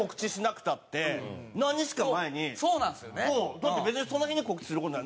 だって別に、その日に告知する事ない。